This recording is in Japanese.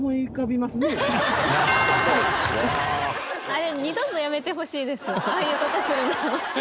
あれ二度とやめてほしいですああいう事するの。